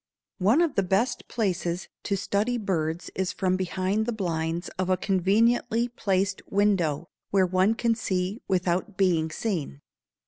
One of the best places to study birds is from behind the blinds of a conveniently placed window, where one can see without being seen.